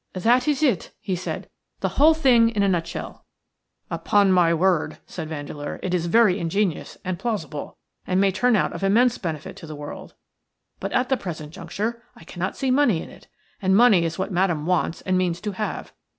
"That is it," he said; "the whole thing in a nutshell." "Upon my word," said Vandeleur, "it is very ingenious and plausible, and may turn out of immense benefit to the world; but at the present juncture I cannot see money in it, and money is what Madame wants and means to have.